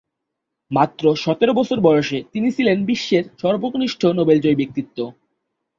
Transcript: মাত্র সতেরো বছর বয়সে তিনি ছিলেন বিশ্বের সর্বকনিষ্ঠ নোবেলজয়ী ব্যক্তিত্ব।